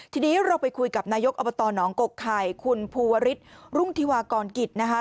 ทีนี้เราไปคุยกับนายกอบตหนองกกไข่คุณภูวริสรุ่งธิวากรกิจนะคะ